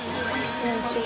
こんにちは。